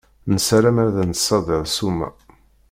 Nessaram ad d-nssader ssuma.